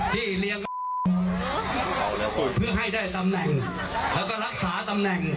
ที่เลี้ยงเพื่อให้ได้ตำแหน่งแล้วก็รักษาตำแหน่ง